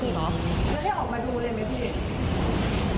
แล้วแล้วหลังเกิดเห็นหลังเสียงปืนสมบัติเห็นการหลังฉะนั้นเป็นอย่างไรคะ